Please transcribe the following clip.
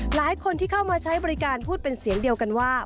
หลายคนที่เข้ามาใช้บริการพูดเป็นเสียงเดียวกันว่า